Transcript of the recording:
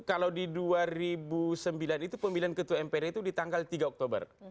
kalau di dua ribu sembilan itu pemilihan ketua mpr itu di tanggal tiga oktober